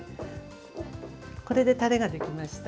これでタレができました。